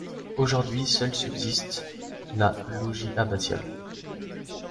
Aujourd'hui, seul subsiste le logis abbatial.